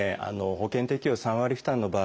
保険適用３割負担の場合